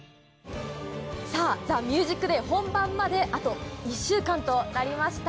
さあ、ＴＨＥＭＵＳＩＣＤＡＹ本番まであと１週間となりました。